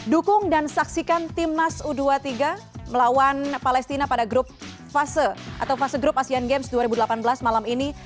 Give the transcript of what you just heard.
dukung dan saksikan timnas u dua puluh tiga melawan palestina pada grup fase atau fase grup asean games dua ribu delapan belas malam ini